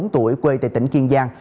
hai mươi bốn tuổi quê tại tỉnh kiên giang